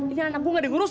ini anak gua gak ada ngurus